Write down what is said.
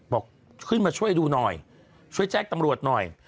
บอกขึ้นมาช่วยดูหน่อยช่วยแจ้งตำรวจหน่อย